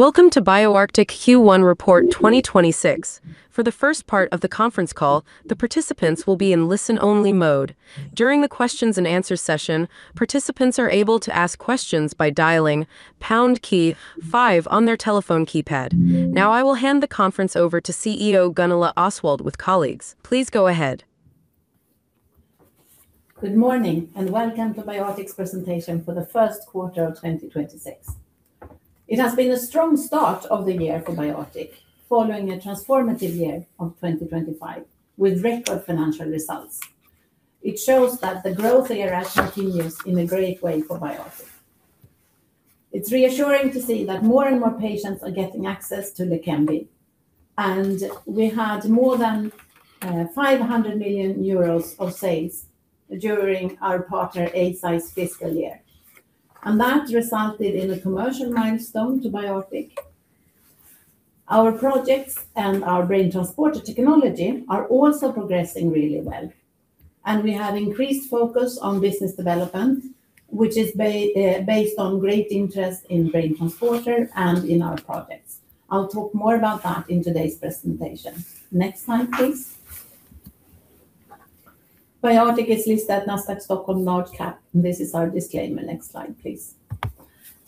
Welcome to BioArctic Q1 Report 2026. For the first part of the conference call, the participants will be in listen-only mode. During the questions-and-answers session, participants are able to ask questions by dialing pound key five on their telephone keypad. Now I will hand the conference over to CEO Gunilla Osswald with colleagues. Please go ahead. Good morning. Welcome to BioArctic's presentation for the first quarter of 2026. It has been a strong start of the year for BioArctic, following a transformative year of 2025 with record financial results. It shows that the growth year-round continues in a great way for BioArctic. It's reassuring to see that more and more patients are getting access to Leqembi, and we had more than 500 million euros of sales during our partner Eisai fiscal year, and that resulted in a commercial milestone to BioArctic. Our projects and our BrainTransporter technology are also progressing really well, and we have increased focus on business development, which is based on great interest in BrainTransporter and in our projects. I'll talk more about that in today's presentation. Next slide, please. BioArctic is listed at Nasdaq Stockholm Large Cap, and this is our disclaimer. Next slide, please.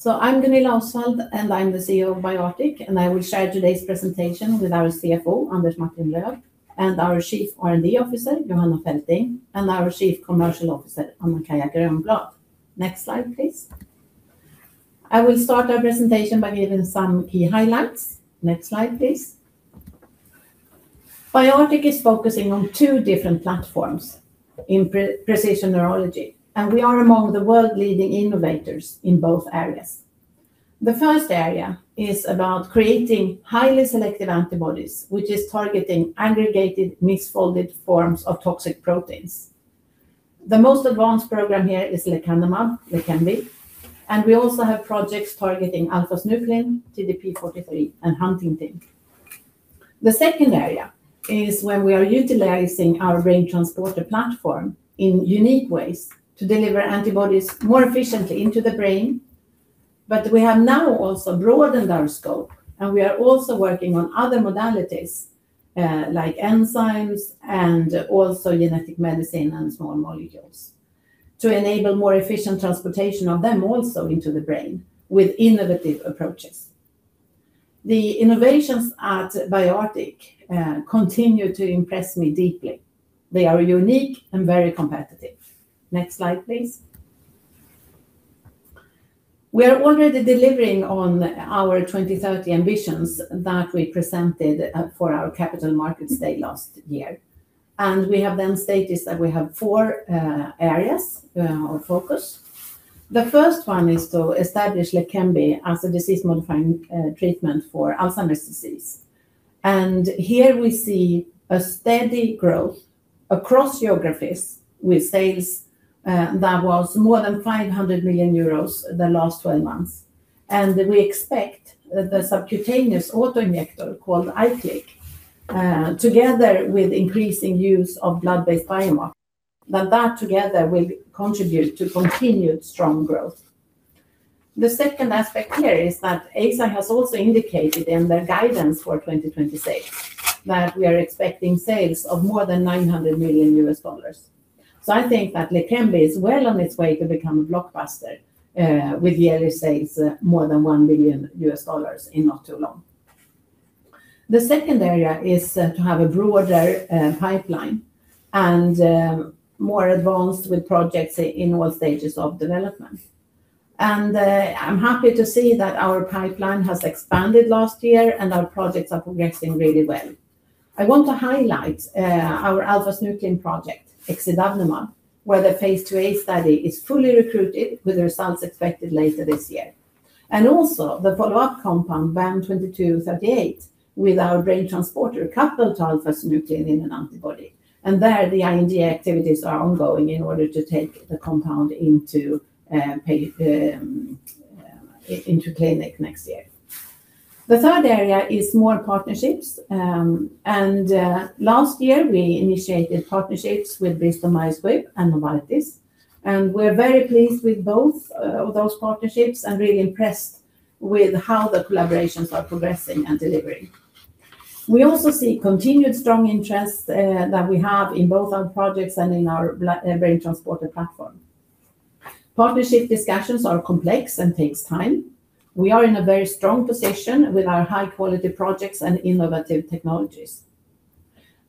I'm Gunilla Osswald, and I'm the CEO of BioArctic, and I will share today's presentation with our CFO Anders Martin-Löf and our Chief R&D Officer Johanna Fälting, and our Chief Commercial Officer Anna-Kaija Grönblad. Next slide, please. I will start our presentation by giving some key highlights. Next slide, please. BioArctic is focusing on two different platforms in precision neurology, and we are among the world-leading innovators in both areas. The first area is about creating highly selective antibodies, which is targeting aggregated misfolded forms of toxic proteins. The most advanced program here is Leqembi, and we also have projects targeting alpha-synuclein, TDP-43, and Huntington. The second area is when we are utilizing our BrainTransporter platform in unique ways to deliver antibodies more efficiently into the brain. We have now also broadened our scope, we are also working on other modalities like enzymes and also genetic medicine and small molecules to enable more efficient transportation of them also into the brain with innovative approaches. The innovations at BioArctic continue to impress me deeply. They are unique and very competitive. Next slide, please. We are already delivering on our 2030 ambitions that we presented for our capital markets day last year. We have then stated that we have four areas of focus. The first one is to establish Leqembi as a disease-modifying treatment for Alzheimer's disease. Here we see a steady growth across geographies with sales that was more than 500 million euros the last 12 months. We expect that the subcutaneous autoinjector called IQLIK, together with increasing use of blood-based biomarkers, that together will contribute to continued strong growth. The second aspect here is that Eisai has also indicated in their guidance for 2026 that we are expecting sales of more than $900 million. I think that Leqembi is well on its way to become a blockbuster with yearly sales more than $1 billion in not too long. The second area is to have a broader pipeline and more advanced with projects in all stages of development. I'm happy to see that our pipeline has expanded last year and our projects are progressing really well. I want to highlight our alpha-synuclein project, exidavnemab, where the phase IIa study is fully recruited with the results expected later this year, and also the follow-up compound BAN2238 with our BrainTransporter coupled to alpha-synuclein in an antibody, and there the IND activities are ongoing in order to take the compound into clinic next year. The third area is more partnerships. Last year we initiated partnerships with Bristol Myers Squibb and Novartis. We're very pleased with both of those partnerships and really impressed with how the collaborations are progressing and delivering. We also see continued strong interest that we have in both our projects and in our BrainTransporter platform. Partnership discussions are complex and take time. We are in a very strong position with our high-quality projects and innovative technologies.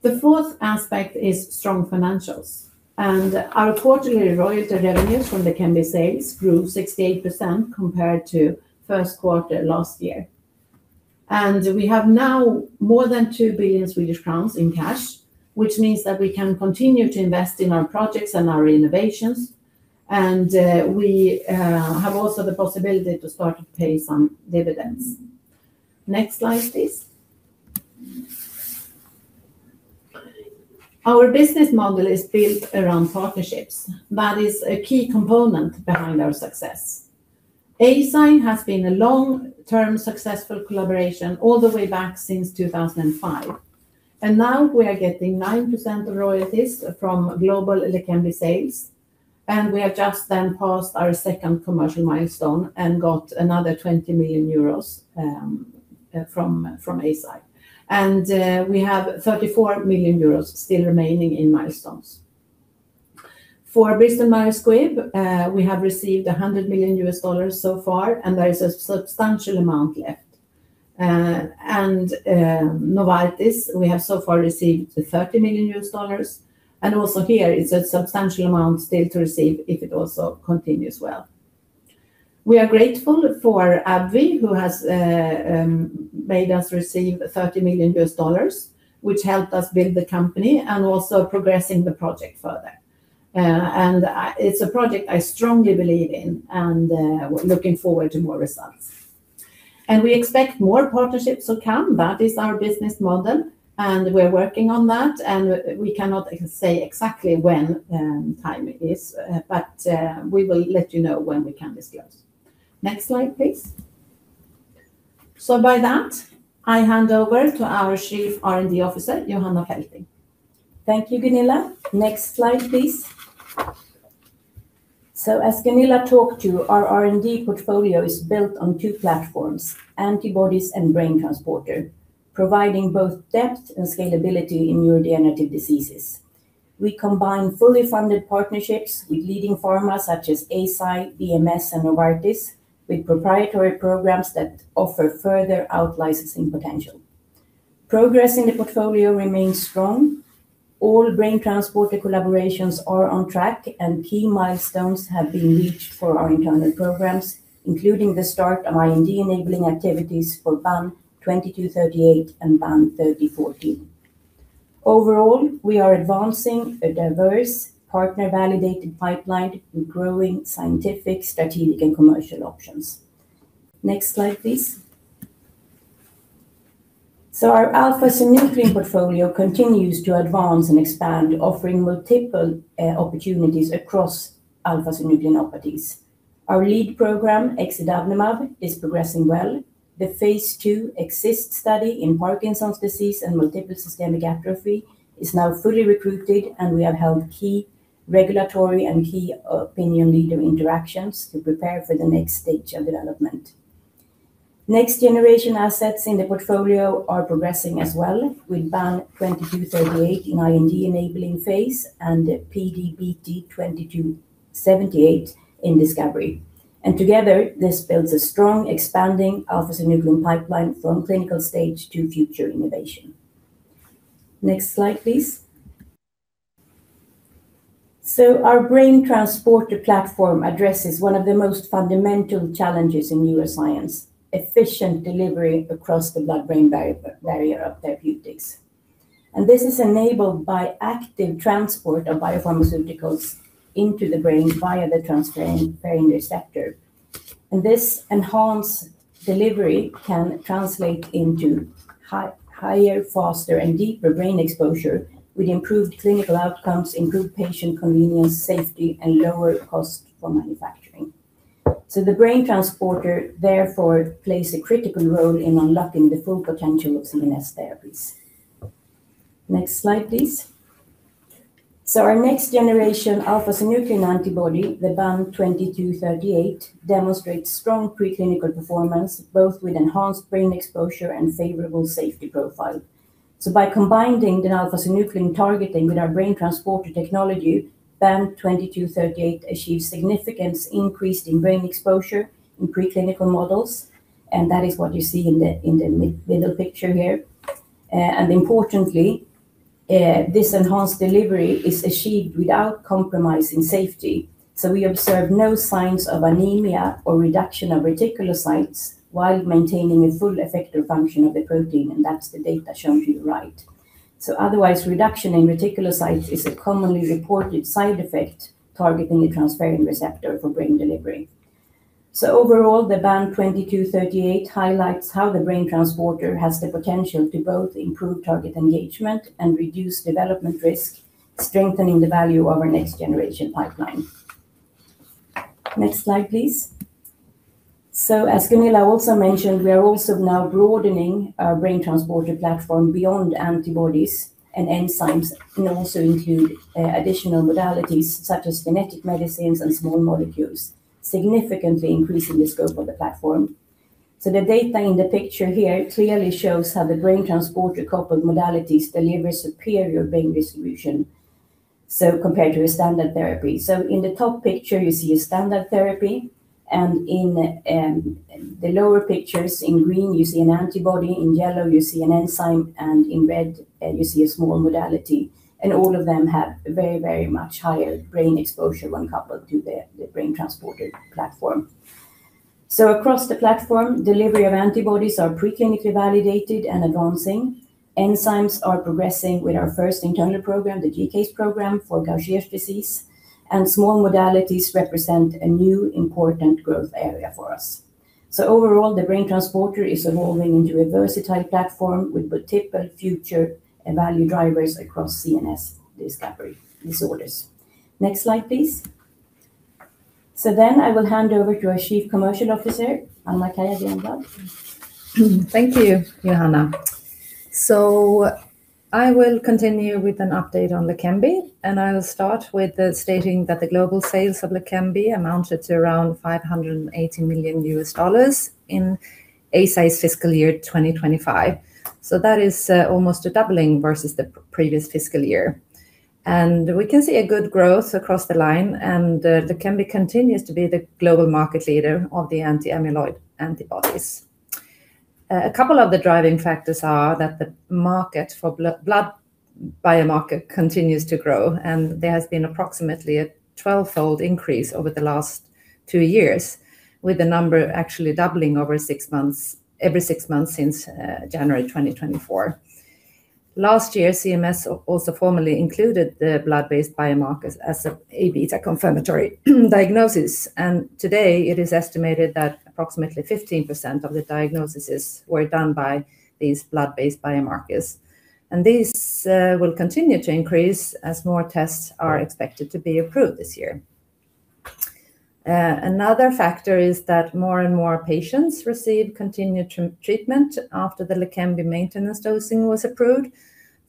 The fourth aspect is strong financials. Our quarterly royalty revenues from Leqembi sales grew 68% compared to first quarter last year, and we have now more than GBP 2 billion in cash, which means that we can continue to invest in our projects and our innovations, and we have also the possibility to start to pay some dividends. Next slide, please. Our business model is built around partnerships. That is a key component behind our success. Eisai has been a long-term successful collaboration all the way back since 2005. Now we are getting 9% of royalties from global Leqembi sales. We have just then passed our second commercial milestone and got another 20 million euros from Eisai. We have 34 million euros still remaining in milestones. For Bristol Myers Squibb, we have received EUR 100 million so far, and there is a substantial amount left, and Novartis, we have so far received EUR 30 million, and also here it's a substantial amount still to receive if it also continues well. We are grateful for AbbVie, who has made us receive EUR 30 million, which helped us build the company and also progressing the project further, and it's a project I strongly believe in and looking forward to more results. We expect more partnerships to come. That is our business model, and we're working on that, and we cannot say exactly when time is, but we will let you know when we can disclose. Next slide, please. By that, I hand over to our Chief R&D Officer, Johanna Fälting. Thank you, Gunilla. Next slide, please. As Gunilla talked to, our R&D portfolio is built on two platforms: antibodies and BrainTransporter, providing both depth and scalability in neurodegenerative diseases. We combine fully funded partnerships with leading pharma such as Eisai, BMS, and Novartis with proprietary programs that offer further out-licenses in potential. Progress in the portfolio remains strong. All BrainTransporter collaborations are on track, and key milestones have been reached for our internal programs, including the start of IND-enabling activities for BAN2238 and BAN3014. Overall, we are advancing a diverse, partner-validated pipeline with growing scientific, strategic, and commercial options. Next slide, please. Our alpha-synuclein portfolio continues to advance and expand, offering multiple opportunities across alpha-synuclein properties. Our lead program, exidavnemab, is progressing well. The phase IIa EXIST study in Parkinson's disease and Multiple System Atrophy is now fully recruited. We have held key regulatory and key opinion-leader interactions to prepare for the next stage of development. Next-generation assets in the portfolio are progressing as well, with BAN2238 in IND-enabling phase and PD-BT2238 in discovery. Together this builds a strong, expanding alpha-synuclein pipeline from clinical stage to future innovation. Next slide, please. Our BrainTransporter platform addresses one of the most fundamental challenges in neuroscience: efficient delivery across the blood-brain barrier of therapeutics. This is enabled by active transport of biopharmaceuticals into the brain via the transferrin receptor. This enhanced delivery can translate into higher, faster, and deeper brain exposure with improved clinical outcomes, improved patient convenience, safety, and lower cost for manufacturing. The BrainTransporter, therefore, plays a critical role in unlocking the full potential of CMS therapies. Next slide, please. Our next-generation alpha-synuclein antibody, the BAN2238, demonstrates strong preclinical performance both with enhanced brain exposure and a favorable safety profile. By combining the alpha-synuclein targeting with our BrainTransporter technology, BAN2238 achieves significant increase in brain exposure in preclinical models, and that is what you see in the middle picture here, and importantly, this enhanced delivery is achieved without compromising safety. We observe no signs of anemia or reduction of reticulocytes while maintaining a full effective function of the protein, and that's the data shown to your right. Otherwise, reduction in reticulocytes is a commonly reported side effect targeting a transferrin receptor for brain delivery. Overall, the BAN2238 highlights how the BrainTransporter has the potential to both improve target engagement and reduce development risk, strengthening the value of our next-generation pipeline. Next slide, please. As Gunilla also mentioned, we are also now broadening our BrainTransporter platform beyond antibodies and enzymes and also include additional modalities such as genetic medicines and small molecules, significantly increasing the scope of the platform. The data in the picture here clearly shows how the BrainTransporter-coupled modalities deliver superior brain distribution compared to a standard therapy. In the top picture, you see a standard therapy, and in the lower pictures, in green, you see an antibody; in yellow, you see an enzyme; and in red, you see a small modality, and all of them have very much higher brain exposure when coupled to the BrainTransporter platform. Across the platform, delivery of antibodies is preclinically validated and advancing. Enzymes are progressing with our first internal program, the GCase program for Gaucher's disease, and small modalities represent a new important growth area for us. Overall, the BrainTransporter is evolving into a versatile platform with multiple future value drivers across CNS discovery disorders. Next slide, please. I will hand over to our Chief Commercial Officer, Anna-Kaija Grönblad. Thank you, Johanna. I will continue with an update on Leqembi, and I will start with stating that the global sales of Leqembi amounted to around EUR 580 million in Eisai FY 2025, so that is almost a doubling versus the previous fiscal year, and we can see a good growth across the line, and Leqembi continues to be the global market leader of the anti-amyloid antibodies. A couple of the driving factors are that the market for blood biomarker continues to grow, and there has been approximately a 12-fold increase over the last two years, with the number actually doubling every six months since January 2024. Last year, CNS also formally included the blood-based biomarkers as an A-beta confirmatory diagnosis. Today it is estimated that approximately 15% of the diagnoses were done by these blood-based biomarkers. These will continue to increase as more tests are expected to be approved this year. Another factor is that more and more patients receive continued treatment after the Leqembi maintenance dosing was approved,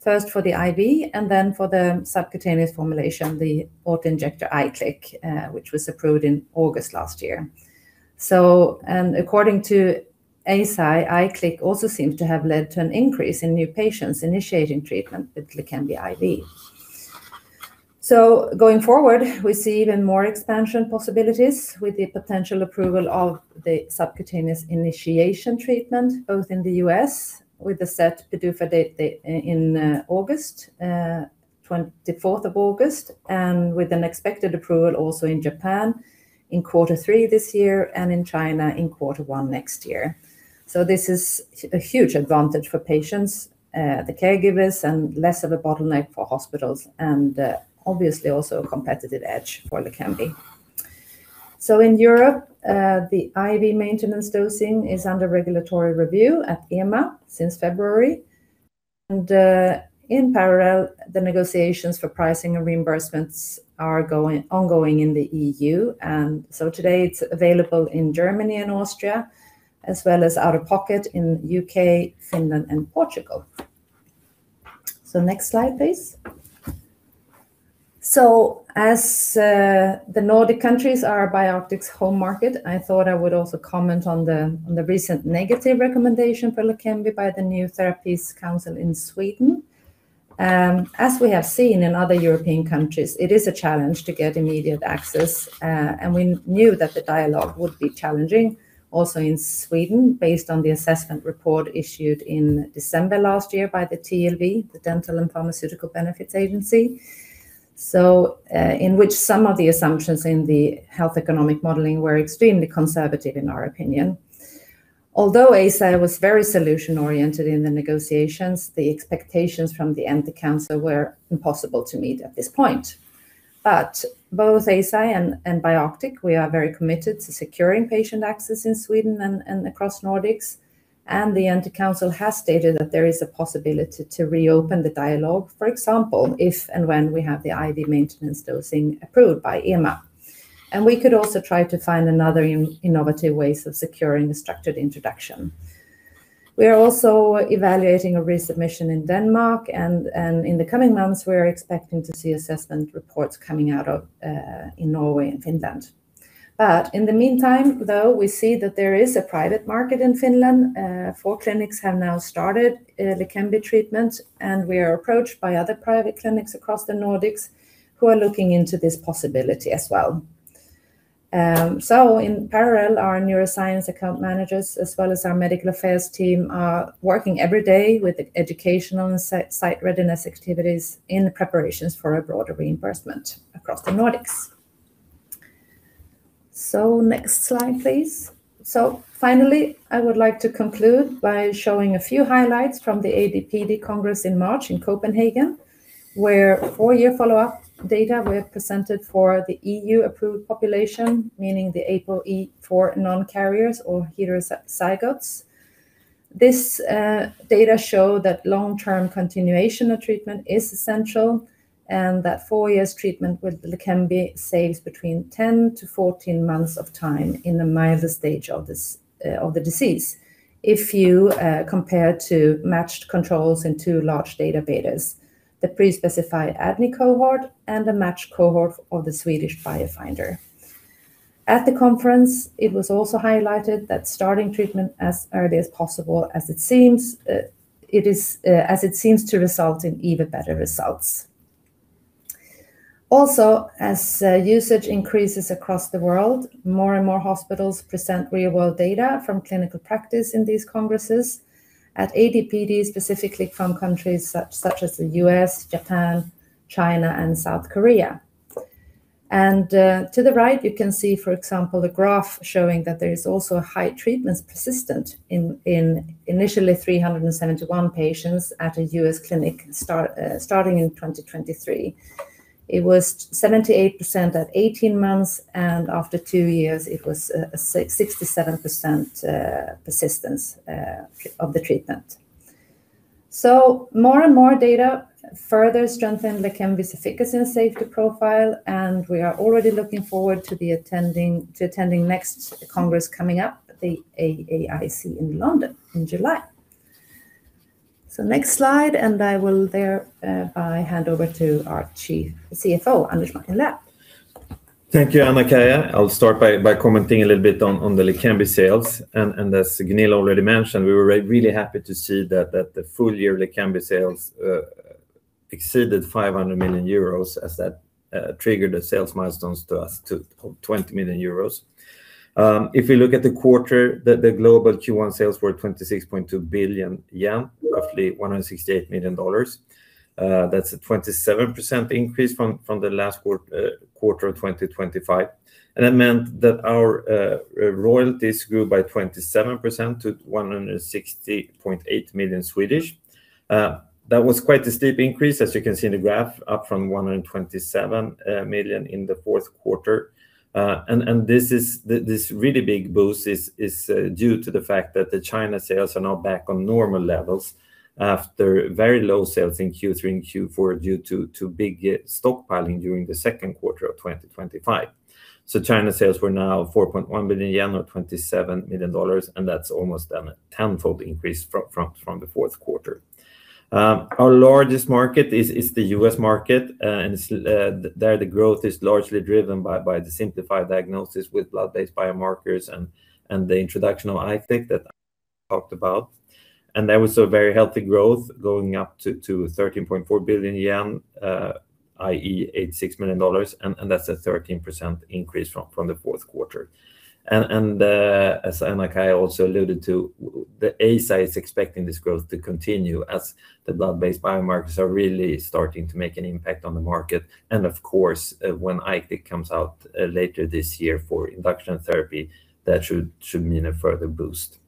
first for the IV and then for the subcutaneous formulation, the autoinjector IQLIK, which was approved in August last year. According to Eisai, IQLIK also seems to have led to an increase in new patients initiating treatment with Leqembi IV. Going forward, we see even more expansion possibilities with the potential approval of the subcutaneous initiation treatment both in the U.S. with a set PDUFA date in August 24, and with an expected approval also in Japan in Q3 this year and in China in Q1 next year. This is a huge advantage for patients, the caregivers, and less of a bottleneck for hospitals, and obviously also a competitive edge for Leqembi. In Europe, the IV maintenance dosing is under regulatory review at EMA since February, and in parallel, the negotiations for pricing and reimbursements are ongoing in the EU, and so today it's available in Germany and Austria as well as out-of-pocket in the U.K., Finland, and Portugal. Next slide, please. As the Nordic countries are BioArctic's home market, I thought I would also comment on the recent negative recommendation for Leqembi by the New Therapies Council in Sweden. As we have seen in other European countries, it is a challenge to get immediate access, and we knew that the dialogue would be challenging also in Sweden based on the assessment report issued in December last year by the TLV, the Dental and Pharmaceutical Benefits Agency, in which some of the assumptions in the health economic modeling were extremely conservative in our opinion. Although Eisai was very solution-oriented in the negotiations, the expectations from the NT Council were impossible to meet at this point. Both Eisai and BioArctic, we are very committed to securing patient access in Sweden and across the Nordics. The NT Council has stated that there is a possibility to reopen the dialogue, for example, if and when we have the IV maintenance dosing approved by EMA. We could also try to find another innovative way of securing a structured introduction. We are also evaluating a resubmission in Denmark. In the coming months, we are expecting to see assessment reports coming out in Norway and Finland. In the meantime, though, we see that there is a private market in Finland. Four clinics have now started Leqembi treatment. We are approached by other private clinics across the Nordics who are looking into this possibility as well. In parallel, our neuroscience account managers as well as our medical affairs team are working every day with educational and site readiness activities in preparations for a broader reimbursement across the Nordics. Next slide, please. Finally, I would like to conclude by showing a few highlights from the ADPD Congress in March in Copenhagen, where four-year follow-up data were presented for the EU-approved population, meaning the APOE4 non-carriers or heterozygotes. This data showed that long-term continuation of treatment is essential and that four-year treatment with Leqembi saves between 10-14 months of time in the milder stage of the disease if you compare to matched controls in two large databases, the pre-specified ADNI cohort and the matched cohort of the Swedish BioFinder. At the conference, it was also highlighted that starting treatment as early as possible, as it seems to result in even better results. As usage increases across the world, more and more hospitals present real-world data from clinical practice in these congresses at ADPD, specifically from countries such as the U.S., Japan, China, and South Korea. To the right, you can see, for example, a graph showing that there is also a high treatment persistence in initially 371 patients at a U.S. clinic starting in 2023. It was 78% at 18 months, and after two years, it was 67% persistence of the treatment. More and more data further strengthen Leqembi's efficacy and safety profile, and we are already looking forward to attending next congress coming up, the AAIC in London, in July. Next slide, and I will thereby hand over to our Chief CFO, Anders Martin-Löf. Thank you, Anna-Kaija. I'll start by commenting a little bit on the Leqembi sales, and as Gunilla already mentioned, we were really happy to see that the full-year Leqembi sales exceeded 500 million euros as that triggered the sales milestones to us to 20 million euros. If we look at the quarter, the global Q1 sales were 26.2 billion yen, roughly $168 million. That's a 27% increase from the last quarter of 2025, and that meant that our royalties grew by 27% to 160.8 million Swedish. That was quite a steep increase, as you can see in the graph, up from 127 million in the fourth quarter, and this really big boost is due to the fact that the China sales are now back on normal levels after very low sales in Q3 and Q4 due to big stockpiling during the second quarter of 2025. China sales were now 4.1 billion yen or 27 million dollars, and that's almost a tenfold increase from the fourth quarter. Our largest market is the U.S. market, and there the growth is largely driven by the simplified diagnosis with blood-based biomarkers and the introduction of iClick that I talked about, and there was a very healthy growth going up to 13.4 billion yen, i.e., 86 million dollars, and that's a 13% increase from the fourth quarter. As Anna-Kaija also alluded to, Eisai is expecting this growth to continue as the blood-based biomarkers are really starting to make an impact on the market, and of course, when IQLIK comes out later this year for induction therapy, that should mean a further boost.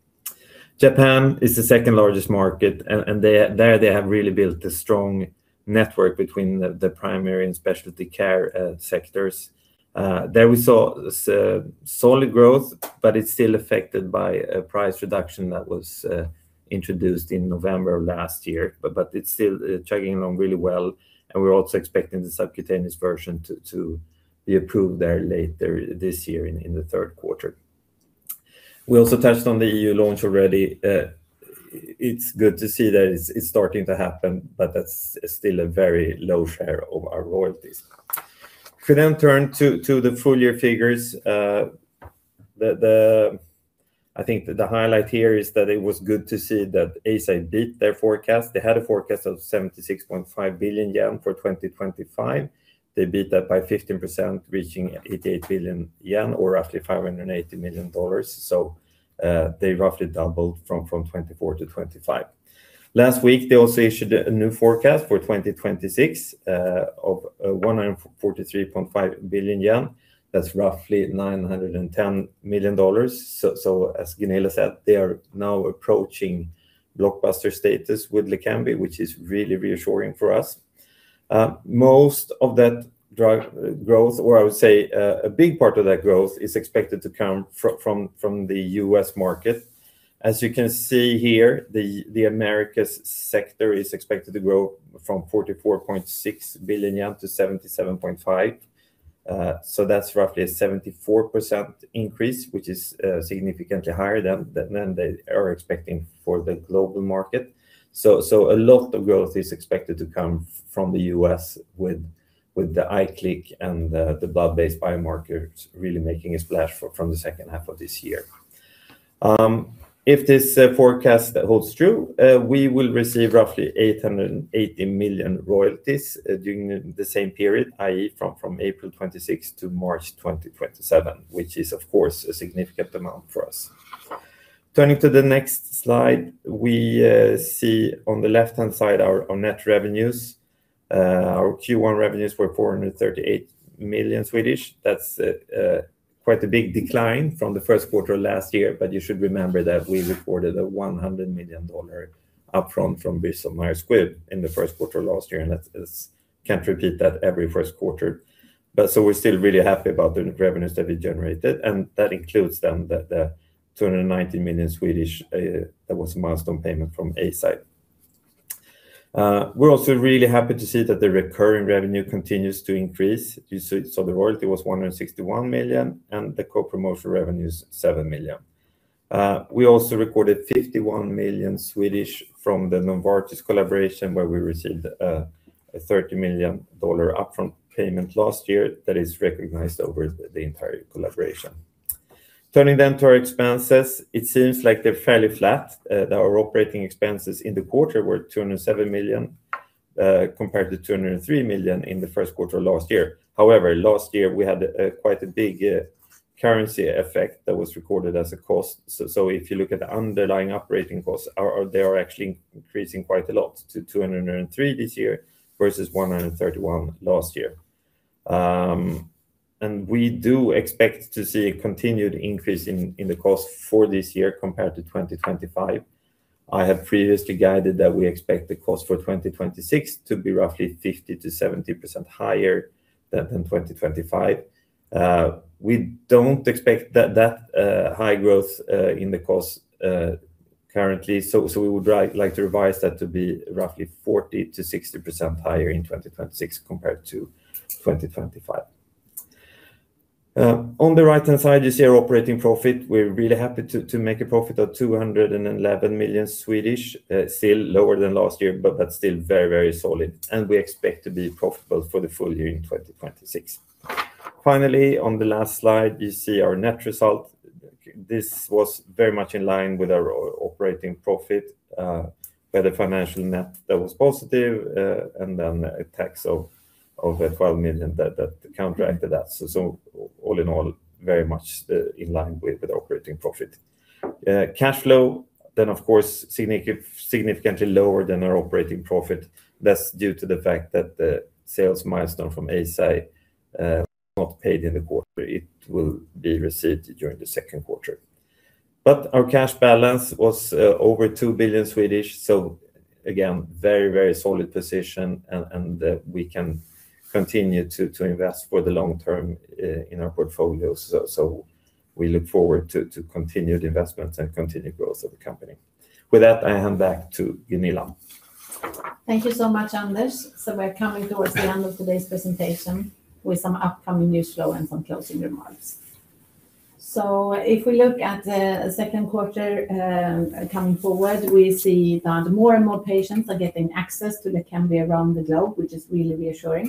Japan is the second largest market, and there they have really built a strong network between the primary and specialty care sectors. We saw solid growth, it's still affected by a price reduction that was introduced in November of last year, it's still chugging along really well, and we're also expecting the subcutaneous version to be approved there later this year in the third quarter. We also touched on the EU launch already. It's good to see that it's starting to happen, that's still a very low share of our royalties. We turn to the full-year figures, I think the highlight here is that it was good to see that Eisai beat their forecast. They had a forecast ofJPY76.5 billion for 2025. They beat that by 15%, reachingJPY88 billion or roughly $580 million, they roughly doubled from 2024 to 2025. Last week, they also issued a new forecast for 2026 of 143.5 billion yen. That's roughly $910 million. As Gunilla said, they are now approaching blockbuster status with Leqembi, which is really reassuring for us. Most of that growth, or I would say a big part of that growth, is expected to come from the U.S. market. As you can see here, the America's sector is expected to grow from 44.6 billion yen to 77.5 billion, that is roughly a 74% increase, which is significantly higher than they are expecting for the global market. A lot of growth is expected to come from the U.S. with the IQLIK and the blood-based biomarkers really making a splash from the second half of this year. If this forecast holds true, we will receive roughly 880 million royalties during the same period, i.e., from April 26th to March 2027, which is, of course, a significant amount for us. Turning to the next slide, we see on the left-hand side our net revenues. Our Q1 revenues were 438 million. That's quite a big decline from the first quarter of last year, you should remember that we reported a $100 million upfront from Bristol Myers Squibb in the first quarter last year, it can't repeat that every first quarter. We're still really happy about the revenues that we generated, that includes then the 290 million that was a milestone payment from Eisai. We're also really happy to see that the recurring revenue continues to increase. You saw the royalty was 161 million and the co-promotion revenues 7 million. We also recorded 51 million from the Novartis collaboration where we received a $30 million upfront payment last year that is recognized over the entire collaboration. Turning to our expenses, it seems like they're fairly flat. Our operating expenses in the quarter were 207 million compared to 203 million in the first quarter of last year. However, last year, we had quite a big currency effect that was recorded as a cost. If you look at the underlying operating costs, they are actually increasing quite a lot to 203 million this year versus 131 million last year. We do expect to see a continued increase in the costs for this year compared to 2025. I have previously guided that we expect the costs for 2026 to be roughly 50%-70% higher than 2025. We don't expect that high growth in the costs currently, we would like to revise that to be roughly 40%-60% higher in 2026 compared to 2025. On the right-hand side, you see our operating profit. We're really happy to make a profit of 211 million, still lower than last year, but still very, very solid, and we expect to be profitable for the full year in 2026. On the last slide, you see our net result. This was very much in line with our operating profit where the financial net that was positive and then a tax of 12 million that counteracted that. All in all, very much in line with operating profit. Cash flow, of course, significantly lower than our operating profit. That's due to the fact that the sales milestone from Eisai was not paid in the quarter. It will be received during the second quarter. Our cash balance was over 2 billion, so again, very, very solid position, and we can continue to invest for the long term in our portfolios, so we look forward to continued investments and continued growth of the company. With that, I hand back to Gunilla. Thank you so much, Anders. We're coming towards the end of today's presentation with some upcoming news flow and some closing remarks. If we look at the second quarter coming forward, we see that more and more patients are getting access to Leqembi around the globe, which is really reassuring,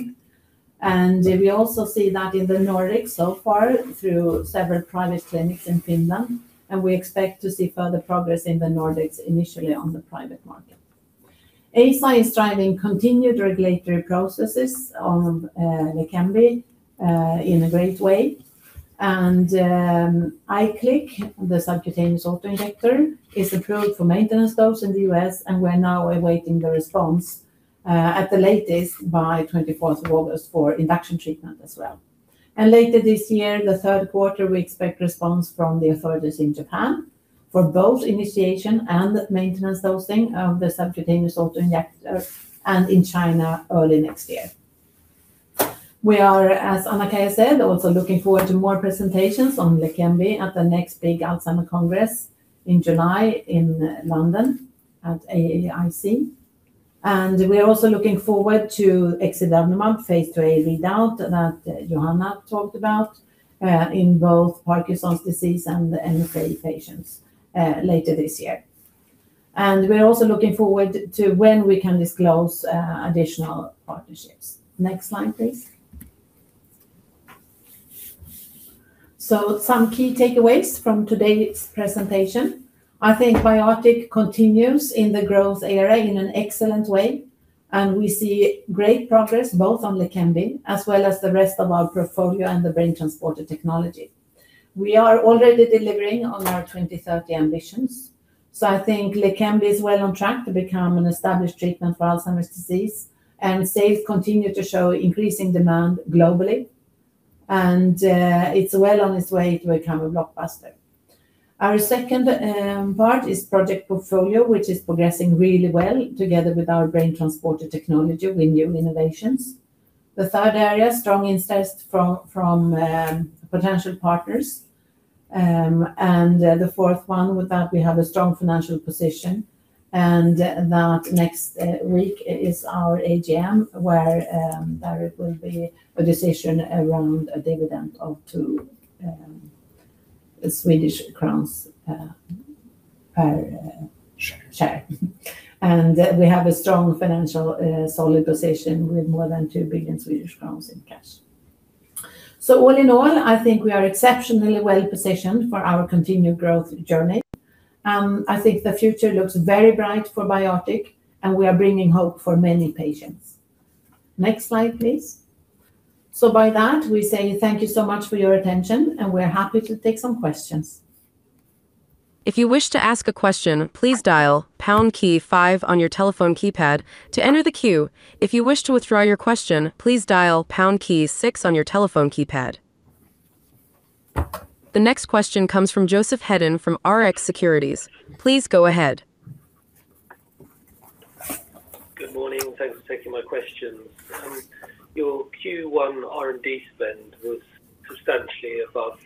and we also see that in the Nordics so far through several private clinics in Finland, and we expect to see further progress in the Nordics initially on the private market. Eisai is driving continued regulatory processes on Leqembi in a great way, and IQLIK, the subcutaneous autoinjector, is approved for maintenance dose in the U.S., and we're now awaiting the response at the latest by 24th of August for induction treatment as well. Later this year, the third quarter, we expect response from the authorities in Japan for both initiation and maintenance dosing of the subcutaneous autoinjector and in China early next year. We are, as Anna-Kaija said, also looking forward to more presentations on Leqembi at the next big Alzheimer's Congress in July in London at AAIC, and we are also looking forward to exidavnemab phase IIa readout that Johanna talked about in both Parkinson's disease and MSA patients later this year. We are also looking forward to when we can disclose additional partnerships. Next slide, please. Some key takeaways from today's presentation. I think BioArctic continues in the growth area in an excellent way, and we see great progress both on Leqembi as well as the rest of our portfolio and the BrainTransporter technology. We are already delivering on our 2030 ambitions. I think Leqembi is well on track to become an established treatment for Alzheimer's disease. Sales continue to show increasing demand globally. It's well on its way to become a blockbuster. Our second part is project portfolio, which is progressing really well together with our BrainTransporter technology with new innovations. The third area, strong interest from potential partners. The fourth one, with that, we have a strong financial position. Next week is our AGM where there will be a decision around a dividend of 2 million Swedish crowns per share, and we have a strong financial solid position with more than 2 billion Swedish crowns in cash. All in all, I think we are exceptionally well positioned for our continued growth journey, and I think the future looks very bright for BioArctic, and we are bringing hope for many patients. Next slide, please. By that, we say thank you so much for your attention, and we're happy to take some questions. If you wish to ask a question please dial pound key five on your telephone keypad to enter the queue. If you wish to withdraw your question please dial pound key six on your telephone keypad. The next question comes from Joseph Hedden from Rx Securities. Please go ahead. Good morning. Thanks for taking my questions. Your Q1 R&D spend was substantially above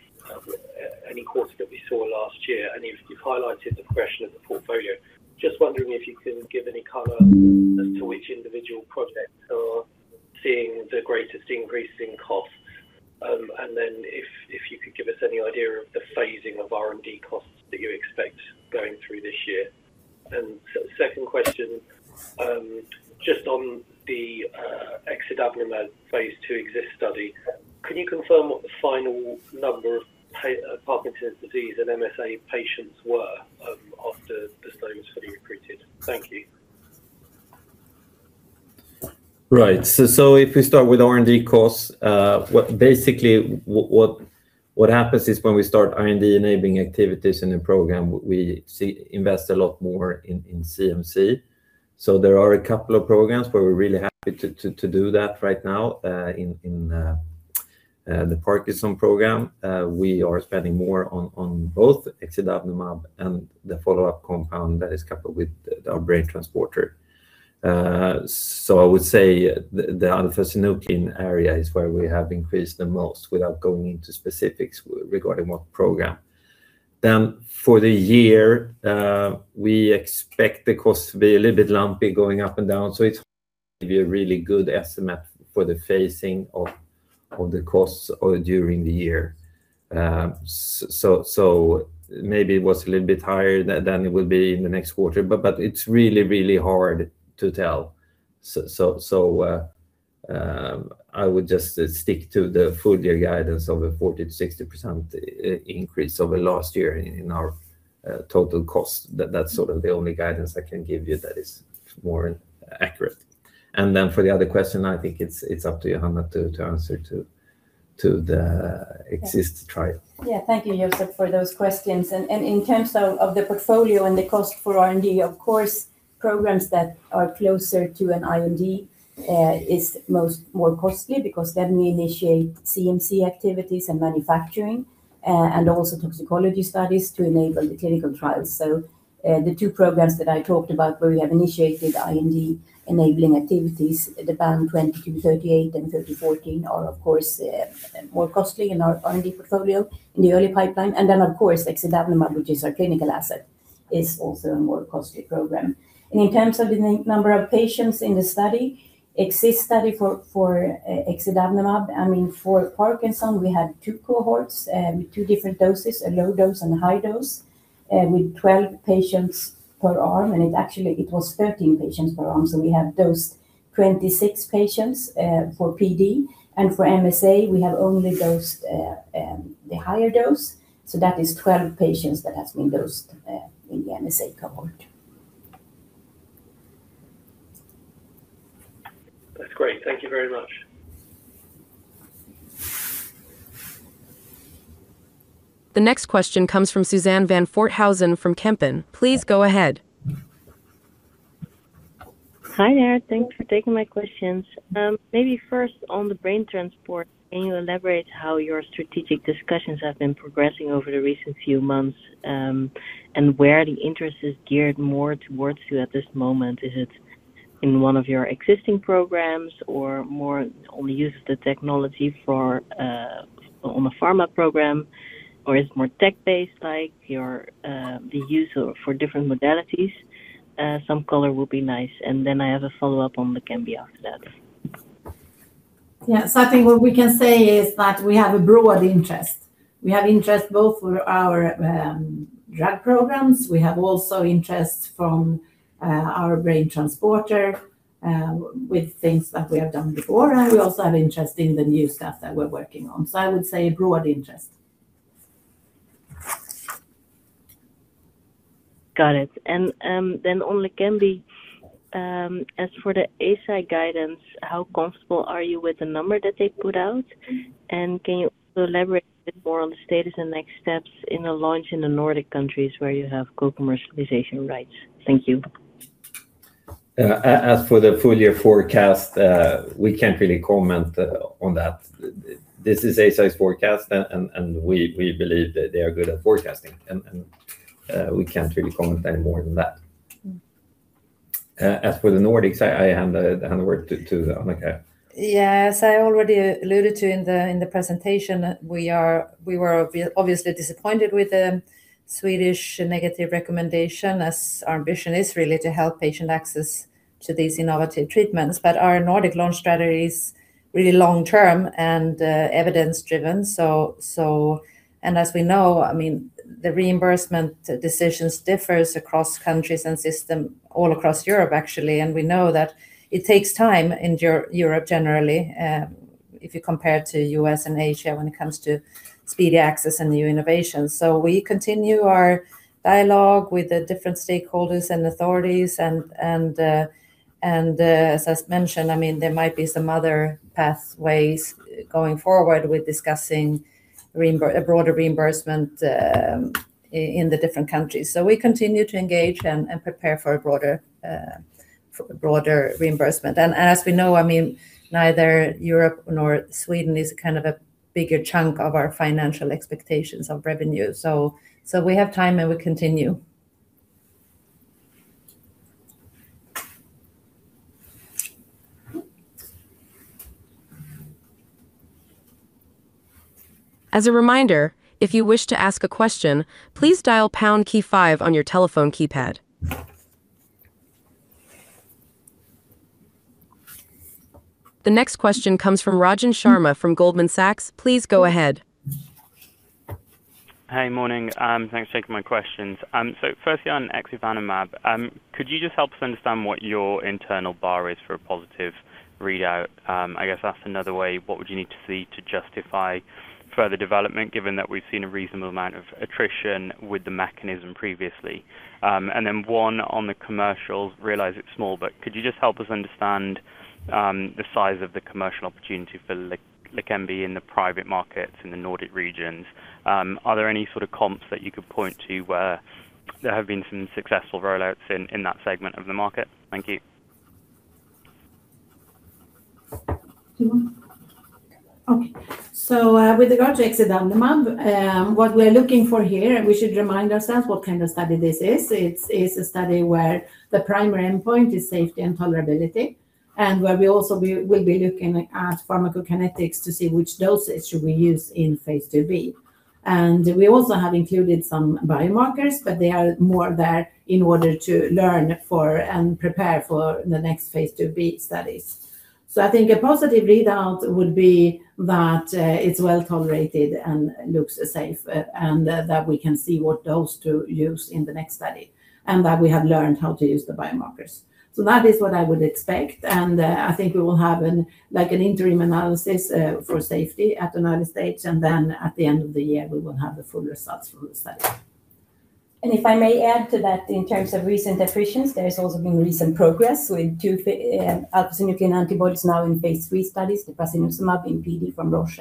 any quarter that we saw last year, and you've highlighted the progression of the portfolio. Just wondering if you can give any color as to which individual projects are seeing the greatest increase in costs. If you could give us any idea of the phasing of R&D costs that you expect going through this year. Second question on the exidavnemab phase II EXIST study, can you confirm what the final number of Parkinson's disease and MSA patients were after the study was fully recruited? Thank you. Right. If we start with R&D costs, basically what happens is when we start IND-enabling activities in the program, we invest a lot more in CMC. There are a couple of programs where we're really happy to do that right now in the Parkinson's program. We are spending more on both exidavnemab and the follow-up compound that is coupled with our BrainTransporter. I would say the alpha-synuclein area is where we have increased the most without going into specifics regarding what program. For the year, we expect the costs to be a little bit lumpy going up and down, it's going to give you a really good estimate for the phasing of the costs during the year. Maybe it was a little bit higher than it will be in the next quarter, it's really, really hard to tell. I would just stick to the full-year guidance of a 40% to 60% increase over last year in our total costs. That's sort of the only guidance I can give you that is more accurate. Then for the other question, I think it's up to Johanna to answer to the EXIST trial. Thank you, Joseph, for those questions. In terms of the portfolio and the cost for R&D, of course, programs that are closer to an IND are more costly because then we initiate CMC activities and manufacturing and also toxicology studies to enable the clinical trials. The two programs that I talked about where we have initiated IND-enabling activities, the BAN2238 and BAN3014, are, of course, more costly in our R&D portfolio in the early pipeline, and then, of course, exidavnemab, which is our clinical asset, is also a more costly program. In terms of the number of patients in the EXIST study for exidavnemab, I mean, for Parkinson's, we had two cohorts with two different doses, a low dose and a high dose, with 12 patients per arm, and it was 13 patients per arm, so we have dosed 26 patients for PD, and for MSA, we have only dosed the higher dose, so that is 12 patients that have been dosed in the MSA cohort. That's great. Thank you very much. The next question comes from Suzanne van Voorthuizen from Kempen. Please go ahead. Hi there. Thanks for taking my questions. Maybe first, on the BrainTransporter, can you elaborate how your strategic discussions have been progressing over the recent few months and where the interest is geared more towards you at this moment? Is it in one of your existing programs or more on the use of the technology on a pharma program, or is it more tech-based like the use for different modalities? Some color would be nice, and then I have a follow-up on Leqembi after that. I think what we can say is that we have a broad interest. We have interest both for our drug programs. We have also interest from our BrainTransporter with things that we have done before, and we also have interest in the new stuff that we're working on. I would say a broad interest. Got it. On Leqembi, as for the Eisai guidance, how comfortable are you with the number that they put out, and can you elaborate a bit more on the status and next steps in the launch in the Nordic countries where you have co-commercialization rights? Thank you. As for the full-year forecast, we can't really comment on that. This is Eisai forecast, and we believe that they are good at forecasting, and we can't really comment any more than that. As for the Nordics, I hand over to Anna-Kaija. Yeah. As I already alluded to in the presentation, we were obviously disappointed with the Swedish negative recommendation, as our ambition is really to help patients access to these innovative treatments. Our Nordic launch strategy is really long-term and evidence-driven, and as we know, I mean, the reimbursement decisions differ across countries and systems all across Europe, actually, and we know that it takes time in Europe generally if you compare to the U.S. and Asia when it comes to speedy access and new innovations. We continue our dialogue with the different stakeholders and authorities, and as I mentioned, I mean, there might be some other pathways going forward with discussing a broader reimbursement in the different countries. We continue to engage and prepare for a broader reimbursement. As we know, I mean, neither Europe nor Sweden is kind of a bigger chunk of our financial expectations of revenue, so we have time, and we continue. As a reminder, if you wish to ask a question, please dial pound key five on your telephone keypad. The next question comes from Rajan Sharma from Goldman Sachs. Please go ahead. Hey. Morning. Thanks for taking my questions. Firstly, on exidavnemab, could you just help us understand what your internal bar is for a positive readout? I guess that's another way. What would you need to see to justify further development given that we've seen a reasonable amount of attrition with the mechanism previously? Then one on the commercials, realize it's small, but could you just help us understand the size of the commercial opportunity for Leqembi in the private markets in the Nordic regions? Are there any sort of comps that you could point to where there have been some successful rollouts in that segment of the market? Thank you. Okay. With regard to exidavnemab, what we are looking for here, and we should remind ourselves what kind of study this is, it's a study where the primary endpoint is safety and tolerability and where we also will be looking at pharmacokinetics to see which doses should we use in phase IIb. We also have included some biomarkers, but they are more there in order to learn for and prepare for the next phase IIb studies. I think a positive readout would be that it's well tolerated and looks safe and that we can see what dose to use in the next study and that we have learned how to use the biomarkers. That is what I would expect, I think we will have an interim analysis for safety at the U.S., then at the end of the year, we will have the full results from the study. If I may add to that, in terms of recent attritions, there has also been recent progress with two alpha-synuclein antibodies now in phase III studies, the prasinezumab in PD from Roche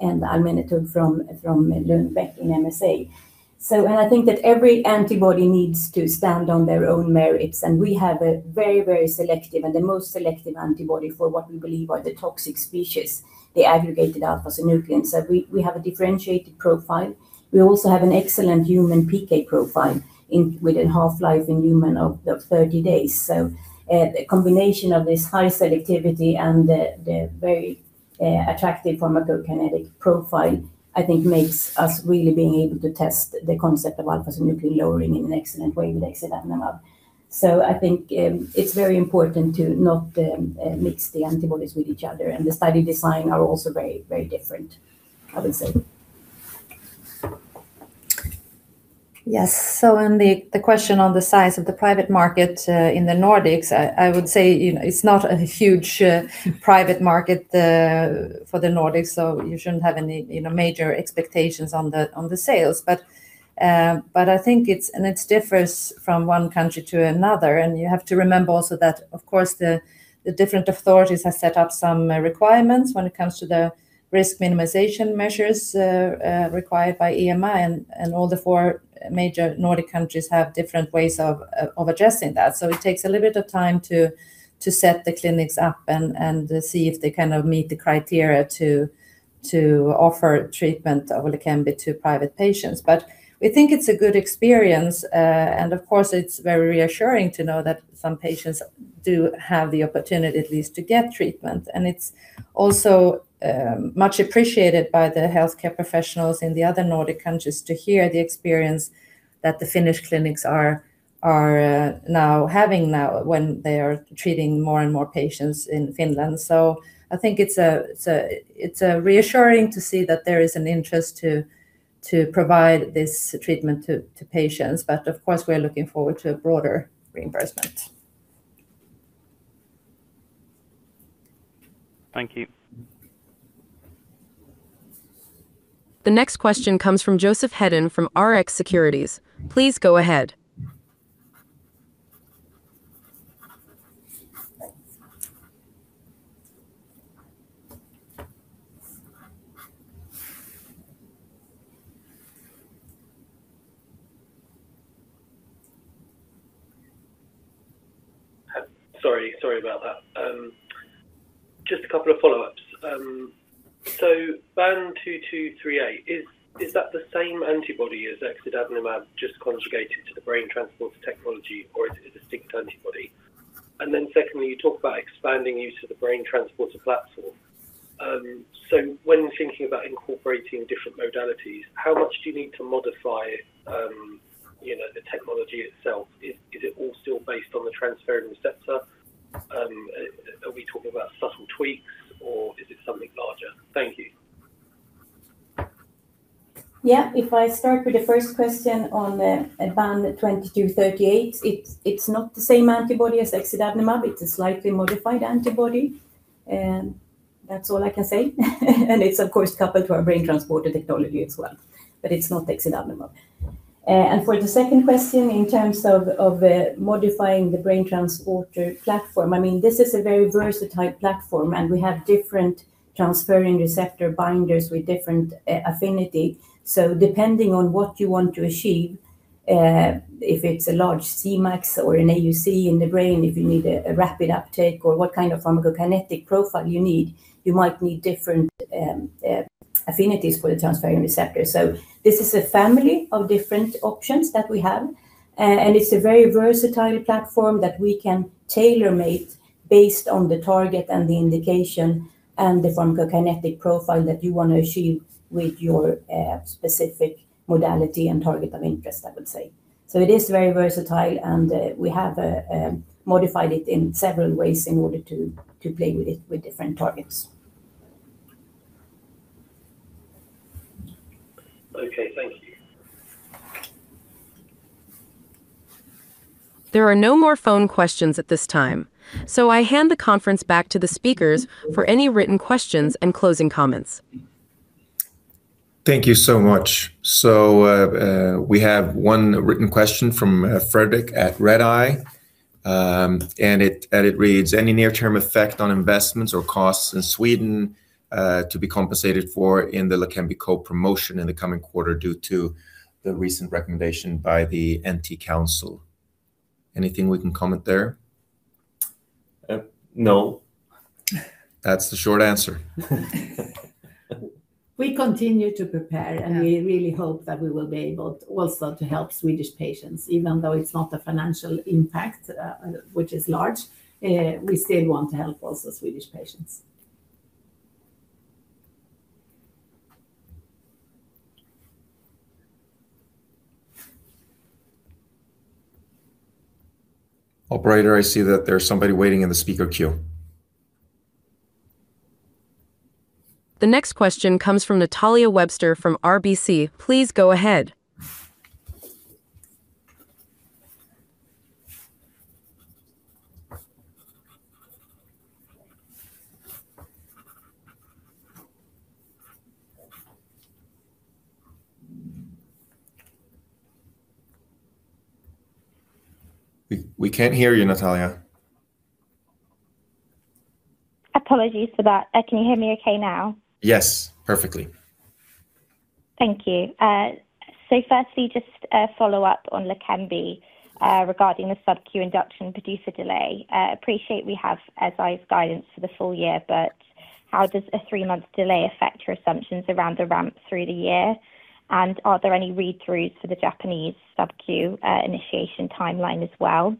and the amlenetug from Lundbeck in MSA. I think that every antibody needs to stand on their own merits, we have a very selective and the most selective antibody for what we believe are the toxic species, the aggregated alpha-synuclein. We have a differentiated profile. We also have an excellent human PK profile with a half-life in humans of 30 days. The combination of this high selectivity and the very attractive pharmacokinetic profile, I think, makes us really being able to test the concept of alpha-synuclein lowering in an excellent way with exidavnemab. I think it's very important to not mix the antibodies with each other, and the study designs are also very, very different, I would say. Yes. On the question on the size of the private market in the Nordics, I would say it's not a huge private market for the Nordics, you shouldn't have any major expectations on the sales. I think it's and it differs from one country to another, and you have to remember also that, of course, the different authorities have set up some requirements when it comes to the risk minimization measures required by EMA, and all the four major Nordic countries have different ways of adjusting that. It takes a little bit of time to set the clinics up and see if they kind of meet the criteria to offer treatment of Leqembi to private patients. We think it's a good experience, and of course, it's very reassuring to know that some patients do have the opportunity at least to get treatment, and it's also much appreciated by the healthcare professionals in the other Nordic countries to hear the experience that the Finnish clinics are now having now when they are treating more and more patients in Finland. I think it's reassuring to see that there is an interest to provide this treatment to patients, but of course, we are looking forward to a broader reimbursement. Thank you. The next question comes from Joseph Hedden from Rx Securities. Please go ahead. Sorry about that. Just a couple of follow-ups. BAN2238, is that the same antibody as exidavnemab just conjugated to the BrainTransporter technology, or is it a distinct antibody? Secondly, you talk about expanding use of the BrainTransporter platform. When thinking about incorporating different modalities, how much do you need to modify the technology itself? Is it all still based on the transferrin receptor? Are we talking about subtle tweaks, or is it something larger? Thank you. If I start with the first question on BAN2238, it's not the same antibody as exidavnemab. It's a slightly modified antibody. That's all I can say. It's, of course, coupled to our BrainTransporter technology as well, but it's not exidavnemab. For the second question, in terms of modifying the BrainTransporter platform, I mean, this is a very versatile platform, and we have different transferrin receptor binders with different affinity. Depending on what you want to achieve, if it's a large CMAX or an AUC in the brain, if you need a rapid uptake or what kind of pharmacokinetic profile you need, you might need different affinities for the transferrin receptor. This is a family of different options that we have, and it's a very versatile platform that we can tailor-make based on the target and the indication and the pharmacokinetic profile that you want to achieve with your specific modality and target of interest, I would say. It is very versatile, and we have modified it in several ways in order to play with it with different targets. Okay. Thank you. There are no more phone questions at this time. I hand the conference back to the speakers for any written questions and closing comments. Thank you so much. We have one written question from Fredrik at Redeye, and it reads, "Any near-term effect on investments or costs in Sweden to be compensated for in the Leqembi co-promotion in the coming quarter due to the recent recommendation by the NT Council?" Anything we can comment there? No. That's the short answer. We continue to prepare, and we really hope that we will be able also to help Swedish patients. Even though it's not a financial impact, which is large, we still want to help also Swedish patients. Operator, I see that there's somebody waiting in the speaker queue. The next question comes from Natalia Webster from RBC. Please go ahead. We can't hear you, Natalia. Apologies for that. Can you hear me okay now? Yes. Perfectly. Thank you. Firstly, just a follow-up on Leqembi regarding the sub-Q induction procedure delay. I appreciate we have Eisai guidance for the full year, how does a three-month delay affect your assumptions around the ramp through the year? Are there any read-throughs for the Japanese sub-Q initiation timeline as well?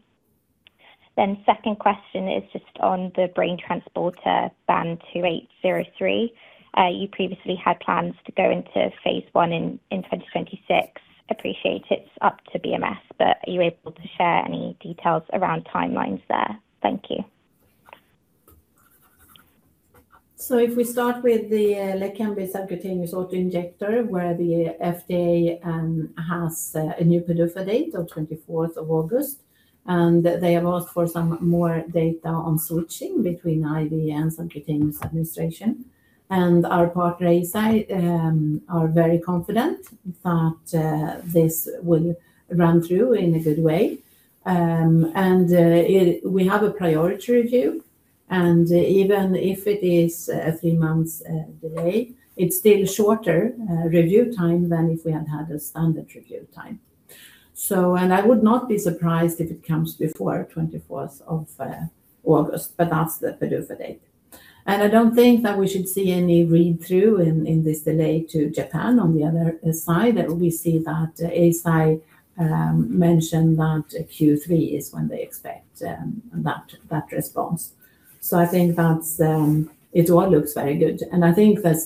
Second question is just on the BrainTransporter BAN2803. You previously had plans to go into phase I in 2026. Appreciate it's up to BMS, are you able to share any details around timelines there? Thank you. If we start with the Leqembi subcutaneous autoinjector where the FDA has a new PDUFA date of 24th of August, they have asked for some more data on switching between IV and subcutaneous administration. Our partner, Eisai, are very confident that this will run through in a good way. We have a priority review, even if it is a 3-month delay, it is still shorter review time than if we had had a standard review time. I would not be surprised if it comes before 24th of August, but that is the PDUFA date. I do not think that we should see any read-through in this delay to Japan. On the other side, we see that Eisai mentioned that Q3 is when they expect that response. I think that it all looks very good. I think that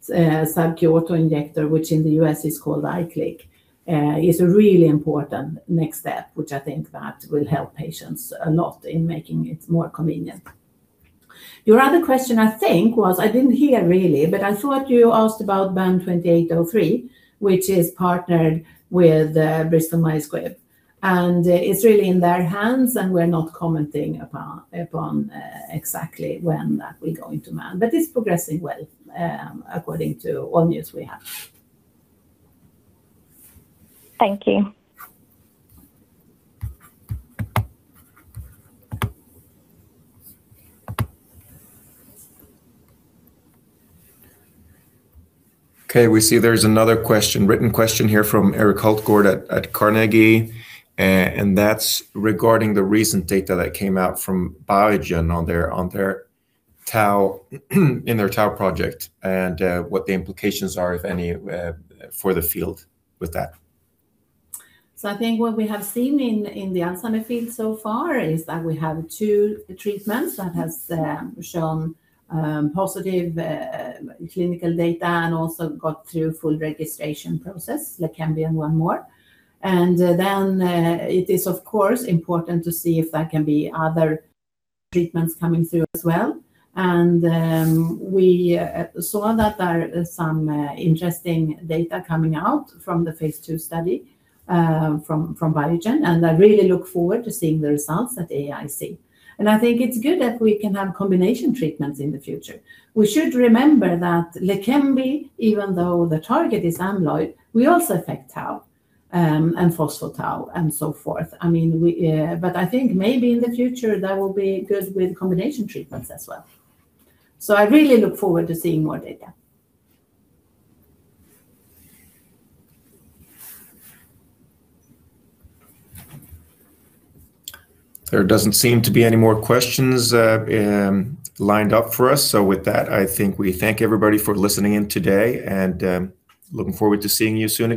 sub-Q autoinjector, which in the U.S. is called IQLIK, is a really important next step, which I think that will help patients a lot in making it more convenient. Your other question, I think, was I didn't hear really, but I thought you asked about BAN2803, which is partnered with Bristol Myers Squibb, and it's really in their hands, and we're not commenting upon exactly when that will go into man, but it's progressing well according to all news we have. Thank you. Okay. We see there's another written question here from Erik Hultgård at Carnegie. That's regarding the recent data that came out from Biogen on their Tau project and what the implications are, if any, for the field with that. I think what we have seen in the Alzheimer field so far is that we have two treatments that have shown positive clinical data and also got through full registration process, Leqembi and one more. It is, of course, important to see if there can be other treatments coming through as well. We saw that there are some interesting data coming out from the phase II study from Biogen, and I really look forward to seeing the results at AAIC. I think it's good that we can have combination treatments in the future. We should remember that Leqembi, even though the target is amyloid, we also affect Tau and Phospho-Tau and so forth. I think maybe in the future, that will be good with combination treatments as well. I really look forward to seeing more data. There doesn't seem to be any more questions lined up for us. With that, I think we thank everybody for listening in today and looking forward to seeing you soon.